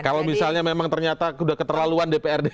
kalau misalnya memang ternyata sudah keterlaluan dprd